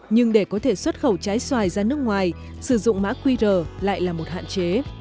nhưng để có thể xuất khẩu trái xoài ra nước ngoài sử dụng mã qr lại là một hạn chế